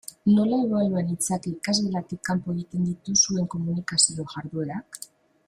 Nola ebalua nitzake ikasgelatik kanpo egiten dituzuen komunikazio jarduerak?